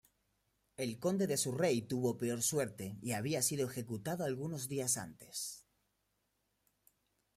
El Conde de Surrey tuvo peor suerte y había sido ejecutado algunos días antes.